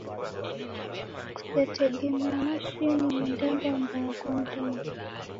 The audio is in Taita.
Kutegemia mashini ni ndengwa mbaha kwa mdamu.